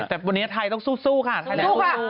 แต่วันนี้ไทยต้องสู้ค่ะสู้ค่ะ